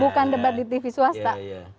bukan debat di tv swasta